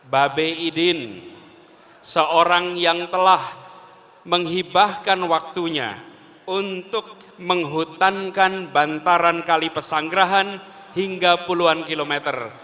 babe idin seorang yang telah menghibahkan waktunya untuk menghutankan bantaran kali pesanggerahan hingga puluhan kilometer